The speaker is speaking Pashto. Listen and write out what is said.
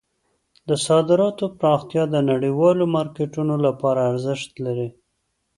د صادراتو پراختیا د نړیوالو مارکیټونو لپاره ارزښت لري.